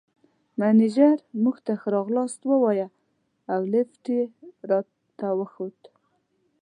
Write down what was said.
مېنېجر موږ ته ښه راغلاست ووایه او لېفټ یې راته وښود.